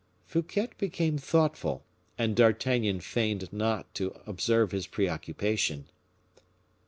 Fouquet became thoughtful, and D'Artagnan feigned not to observe his preoccupation.